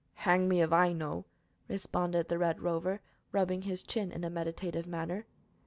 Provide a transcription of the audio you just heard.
"Hang me if I know," responded the Red Rover, rubbing his chin in a meditative manner.